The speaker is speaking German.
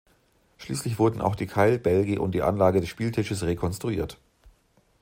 Schließlich wurden auch die Keilbälge und die Anlage des Spieltisches rekonstruiert.